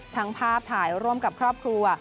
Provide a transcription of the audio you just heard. ทั้งภาพถ่ายร่วมกับครอบครัว